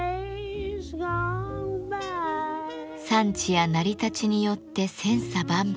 産地や成り立ちによって千差万別。